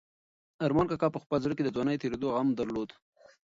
ارمان کاکا په خپل زړه کې د ځوانۍ د تېرېدو غم درلود.